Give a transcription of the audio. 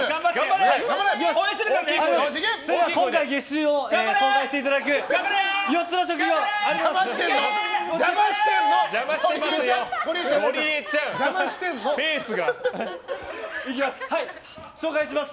今回月収を公開していただく４つの職業、いきます！